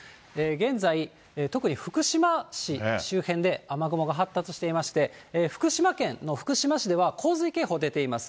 現在、特に福島市周辺で雨雲が発達していまして、福島県の福島市では洪水警報出ています。